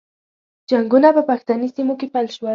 جنګونه په پښتني سیمو کې پیل شول.